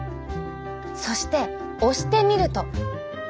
そして押してみると。